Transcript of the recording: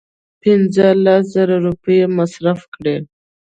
پنځه لس زره روپۍ یې مصرف کړې.